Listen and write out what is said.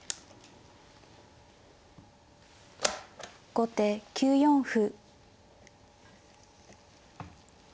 後手９四歩。